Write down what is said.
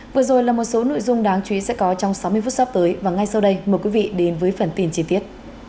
vừa rồi là một số nội dung đáng chú ý sẽ có trong sáu mươi phút sắp tới và ngay sau đây mời quý vị đến với phần tin chi tiết